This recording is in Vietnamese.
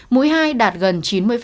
mũi ba đạt gần chín mươi